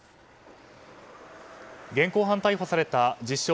現行犯逮捕された自称